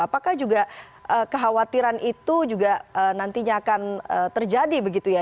apakah juga kekhawatiran itu juga nantinya akan terjadi begitu ya